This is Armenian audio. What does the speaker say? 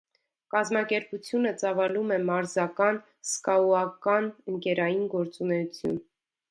Կազմակերպությունը ծավալում է մարզական, սկաուաական, ընկերային գործունեություն։